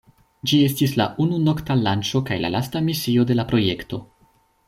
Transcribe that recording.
Ĝi estis la unu nokta lanĉo kaj la lasta misio de la projekto.